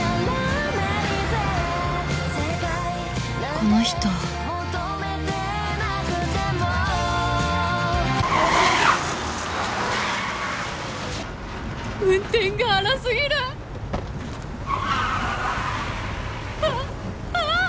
この人運転が荒すぎるああっああっ！